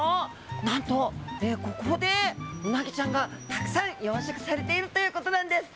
何とここでウナギちゃんがたくさん養殖されているということなんです。